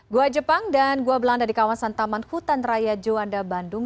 gua jepang dan gua belanda di kawasan taman hutan raya juanda bandung